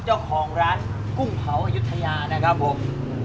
เจ้าของร้านกุ้งเผาอายุทยานะครับผม